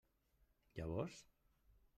Llavors?